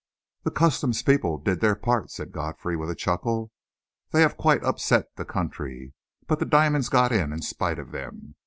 "The customs people did their part," said Godfrey with a chuckle. "They have quite upset the country! But the diamonds got in, in spite of them.